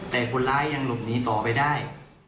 แต่คนร้ายยังหลบหนีต่อไปได้